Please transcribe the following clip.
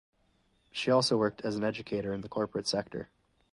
She also worked as an educator in the corporate sector.